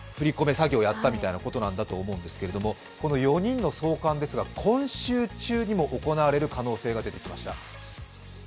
詐欺をやったということだと思うんですけれども、この４人の送還ですが今週中にも行われる可能性が出てきました。